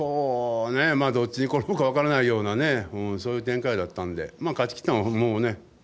どっちに転ぶか分からないようなそういう展開だったので勝ちきったのはね。